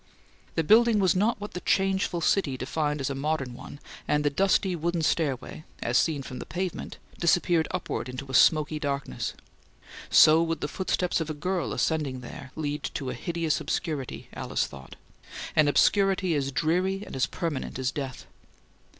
The building was not what the changeful city defined as a modern one, and the dusty wooden stairway, as seen from the pavement, disappeared upward into a smoky darkness. So would the footsteps of a girl ascending there lead to a hideous obscurity, Alice thought; an obscurity as dreary and as permanent as death.